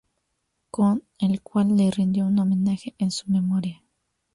Con el cual le rindió un homenaje en su memoria.